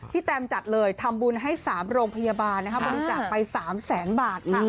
พี่แทมจัดเลยทำบุญให้สามโรงพยาบาลบริจักษ์ไป๓แสนบาท